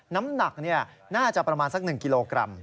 น้ำหนักน่าจะประมาณสัก๑กิโลกรัม